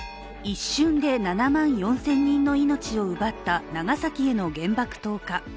一瞬で７万４０００人の命を奪った長崎への原爆投下。